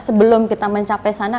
sebelum kita mencapai sana